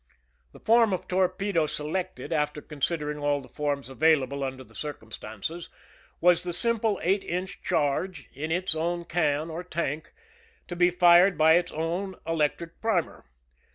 The form of torpedo selected, after considering all the forms available under the circumstances, was the simple eight inch charge in its own can or tank, to be fired by its own electric primer.